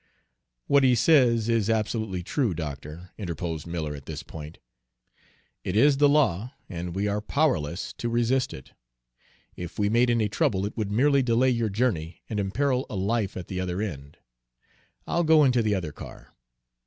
"What he says is absolutely true, doctor," interposed Miller at this point. "It is the law, and we are powerless to resist it. If we made any trouble, it would merely delay your journey and imperil a life at the other end. I'll go into the other car."